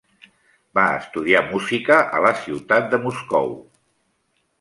Va estudiar música a la ciutat de Moscou.